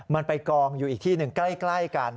มันไปกองอยู่อีกที่หนึ่งใกล้กัน